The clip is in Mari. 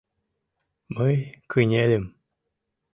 Мый кынельым.